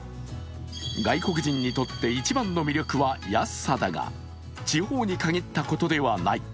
外国人にとって一番の魅力は安さだが地方に限ったことではない。